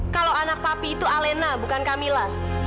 kalau anak papi itu alena bukan camilla